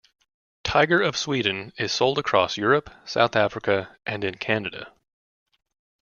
Tiger of Sweden is sold across Europe, South Africa and in Canada.